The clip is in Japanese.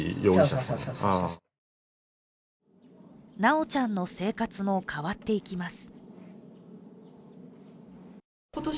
修ちゃんの生活も変わっていきます。